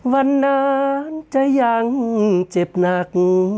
วันนั้นจะยังเจ็บหนัก